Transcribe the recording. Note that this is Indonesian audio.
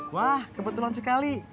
wah kebetulan sekali